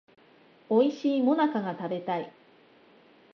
おいしい最中が食べたい